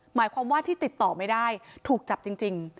หมายความว่าที่ติดต่อไม่ได้ถูกจับจริง